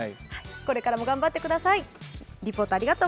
これからも頑張ってください。